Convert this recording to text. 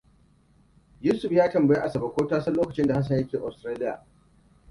Yusuf ya tambayi Asabe ko ta san lokacin da Hassan yake Austaralia.